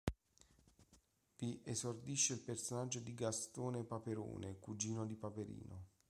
Vi esordisce il personaggio di Gastone Paperone, cugino di Paperino.